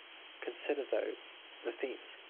Consider though, the themes.